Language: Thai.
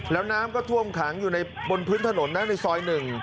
แล้วน้ำก็ท่วมขังอยู่ในบนพื้นถนนนะในซอย๑